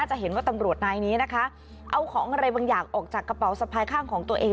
จะเห็นว่าตำรวจนายนี้นะคะเอาของอะไรบางอย่างออกจากกระเป๋าสะพายข้างของตัวเอง